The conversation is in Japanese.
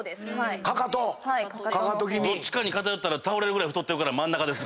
どっちかに片寄ったら倒れるぐらい太ってるから真ん中です